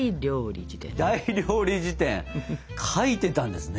「大料理事典」書いてたんですね。